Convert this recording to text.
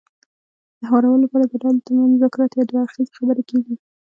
د هوارولو لپاره د ډلو ترمنځ مذاکرات يا دوه اړخیزې خبرې کېږي.